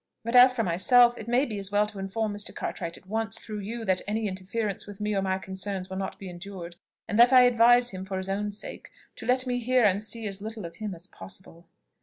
But as for myself it may be as well to inform Mr. Cartwright at once, through you, that any interference with me or my concerns will not be endured; and that I advise him, for his own sake, to let me hear and see as little of him as possible."